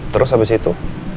terus abis itu